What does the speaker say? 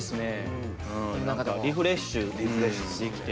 うん何かリフレッシュできて。